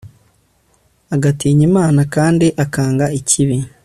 agatinya imana, kandi akanga ikibi